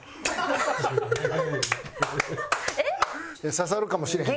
刺さるかもしれへん。